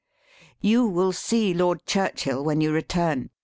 *' You will see Lord Churchill when you return!''